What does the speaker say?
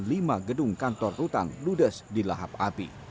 lima gedung kantor rutan ludes di lahap api